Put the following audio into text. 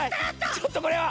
ちょっとこれは。